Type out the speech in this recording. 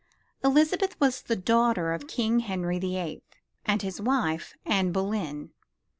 Elizabeth was the daughter of King Henry the Eighth, and his wife, Anne Boleyn.